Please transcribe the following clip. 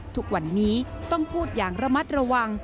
ทุกวันนี้ต้องพูดอย่างระมัดระวัง